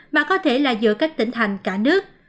mà có thể là giữa các tỉnh thành cả nước